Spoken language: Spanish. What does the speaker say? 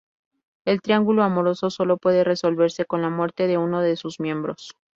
El triángulo amoroso sólo puede resolverse con la muerte de uno de sus miembros.